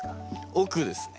奥ですね。